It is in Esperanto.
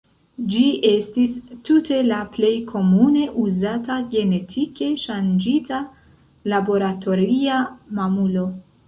Ĝi estis tute la plej komune uzata genetike ŝanĝita laboratoria mamulo.